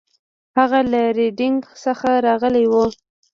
هغه له ریډینګ څخه راغلی و.